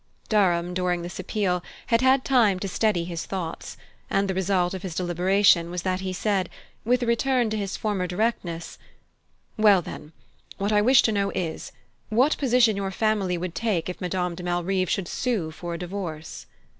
Durham, during this appeal, had had time to steady his thoughts; and the result of his deliberation was that he said, with a return to his former directness: "Well, then, what I wish to know is, what position your family would take if Madame de Malrive should sue for a divorce."